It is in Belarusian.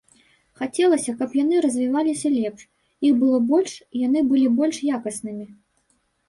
Хацелася, каб яны развіваліся лепш, іх было больш і яны былі больш якаснымі.